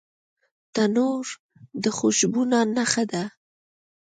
تنور د خوشبو نان نښه ده